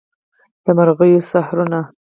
د مرغیو سحرونه